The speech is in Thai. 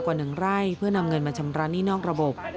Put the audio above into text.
กว่า๑ไร่เพื่อนำเงินมาชำระหนี้นอกระบบ